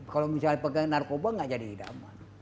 kalau misalnya pegang narkoba gak jadi idaman